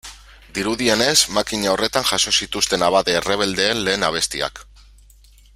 Dirudienez, makina horretan jaso zituen abade errebeldeen lehen abestiak.